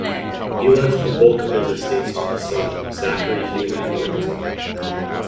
He left the bulk of his estates to the son, Zacchary Hume Edwards.